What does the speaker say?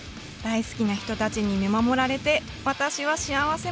大好きな人たちに見守られて私は幸せ者だ」。